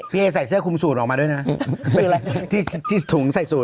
พี่เอใส่เสื้อคุมสูตรออกมาด้วยนะที่ถุงใส่สูตร